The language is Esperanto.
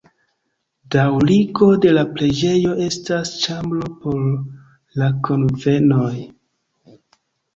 Daŭrigo de la preĝejo estas ĉambro por la kunvenoj.